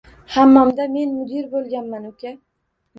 Hammomda… Men mudir bo’lganman, uka.